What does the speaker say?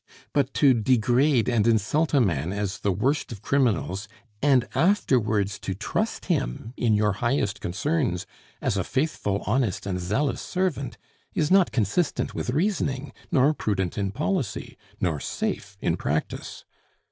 But to degrade and insult a man as the worst of criminals, and afterwards to trust him in your highest concerns as a faithful, honest, and zealous servant, is not consistent with reasoning, nor prudent in policy, nor safe in practice.